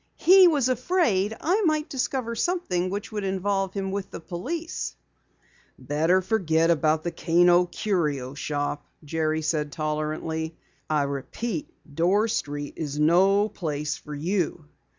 He was afraid I might discover something which would involve him with the police!" "Better forget the Kano Curio Shop," Jerry said tolerantly. "I repeat, Dorr Street is no place for you."